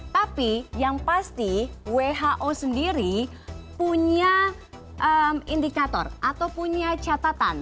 tapi yang pasti who sendiri punya indikator atau punya catatan